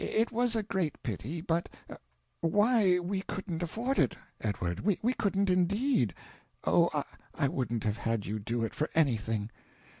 "It was a great pity, but Why, we couldn't afford it, Edward we couldn't indeed. Oh, I wouldn't have had you do it for anything!"